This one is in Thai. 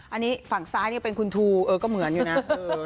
อันนี้ฝั่งซ้ายนี่เป็นคุณทูเออก็เหมือนอยู่นะ